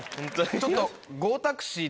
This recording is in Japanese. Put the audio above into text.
ちょっと。